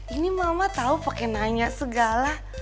ini mama tau pake nanya segala